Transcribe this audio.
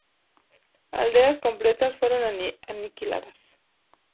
Aldeas completas fueron aniquiladas.